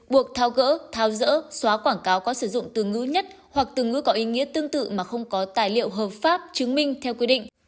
buộc thao gỡ tháo rỡ xóa quảng cáo có sử dụng từ ngữ nhất hoặc từ ngữ có ý nghĩa tương tự mà không có tài liệu hợp pháp chứng minh theo quy định